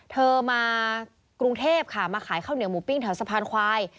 เธอมากรุงเทพค่ะมาขายข้าวเหนียวหมูปิ้งแถวสะพานควาย